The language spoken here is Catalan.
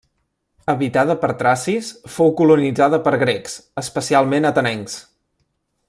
Habitada per tracis, fou colonitzada per grecs, especialment atenencs.